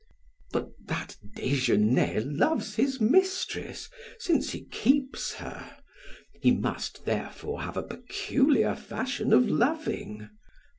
"But that Desgenais loves his mistress, since he keeps her; he must, therefore, have a peculiar fashion of loving?